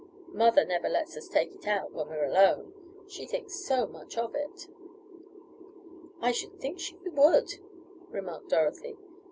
Mother never lets us take it out, when we're alone. She thinks so much of it." "I should think she would," remarked Dorothy.